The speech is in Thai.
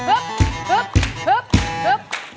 ร้องได้ไข่ล้าง